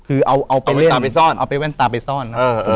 เอาแว่นตาไปซ่อน